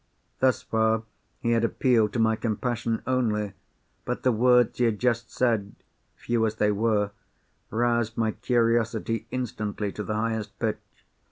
Thus far he had appealed to my compassion only. But the words he had just said—few as they were—roused my curiosity instantly to the highest pitch.